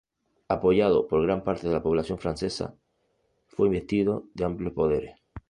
Apoyado por gran parte de la población francesa, fue investido de amplios poderes.